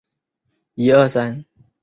池田车站根室本线的铁路车站。